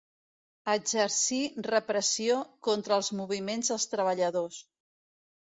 Exercí repressió contra els moviments dels treballadors.